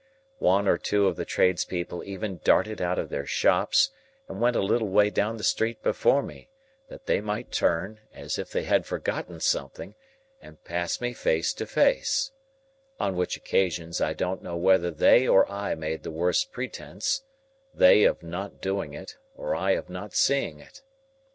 One or two of the tradespeople even darted out of their shops and went a little way down the street before me, that they might turn, as if they had forgotten something, and pass me face to face,—on which occasions I don't know whether they or I made the worse pretence; they of not doing it, or I of not seeing it.